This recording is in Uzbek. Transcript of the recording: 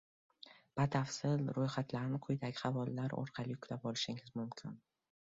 Batafsil roʻyxatlarni quyidagi havolalar orqali yuklab olish mumkin.